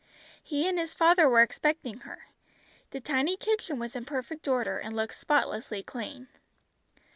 He and his father were expecting her. The tiny kitchen was in perfect order, and looked spotlessly clean.